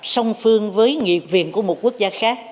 song phương với nghị viện của một quốc gia khác